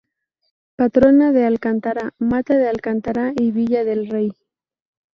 Patrona de Alcántara, Mata de Alcántara y Villa del Rey.